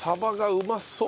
うまそう！